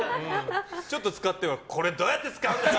ちょっと使ってはこれどうやって使うんだよ！